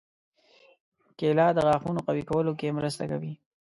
کېله د غاښونو قوي کولو کې مرسته کوي.